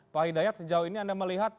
pak hidayat sejauh ini anda melihat